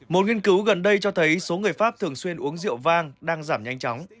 một nghiên cứu gần đây cho thấy số người pháp thường xuyên uống rượu vang đang giảm nhanh chóng